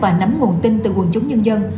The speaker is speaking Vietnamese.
và nắm nguồn tin từ quận chúng nhân dân